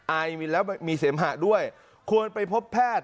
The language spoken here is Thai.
แล้วมีเสมหะด้วยควรไปพบแพทย์